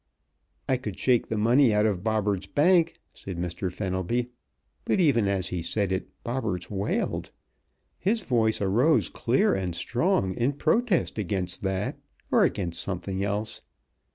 "I could shake the money out of Bobberts' bank," said Mr. Fenelby, but even as he said it Bobberts wailed. His voice arose clear and strong in protest against that or against something else.